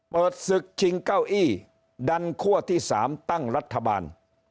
เปิดศึกชิงเก้าอี้ดันคั่วที่๓ตั้งรัฐบาล